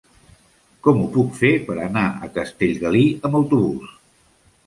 Com ho puc fer per anar a Castellgalí amb autobús?